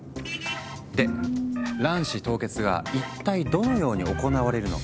で卵子凍結が一体どのように行われるのか。